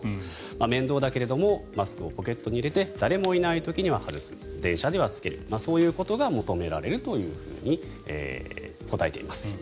面倒だけれどもマスクをポケットに入れて誰もいない時には外す電車では着ける、そういうことが求められると答えています。